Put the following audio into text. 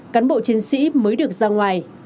cán bộ chiến sĩ mới được ra ngoài